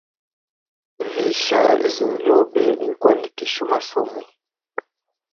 Visha zina lyobe ni kuandikishe umasomo.